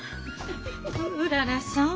うららさん？